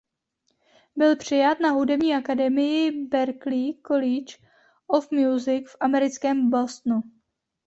Byl přijat na hudební akademii Berklee College of Music v americkém Bostonu.